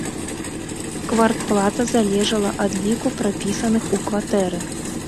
Квартплата залежала ад ліку прапісаных у кватэры.